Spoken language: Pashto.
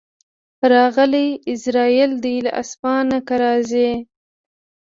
راغلی عزراییل دی له اسمانه که راځې